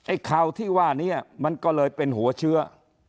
ข่าวที่ว่านี้มันก็เลยเป็นหัวเชื้อ